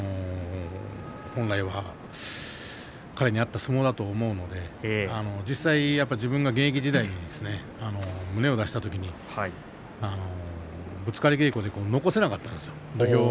本来は彼に合った相撲だと思うので実際、自分が現役時代胸を出したときにぶつかり稽古で残せなかったんですね。